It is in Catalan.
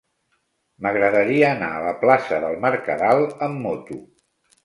M'agradaria anar a la plaça del Mercadal amb moto.